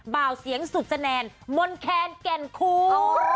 เบาเสียงสุดแสนมนแคนแก่นคู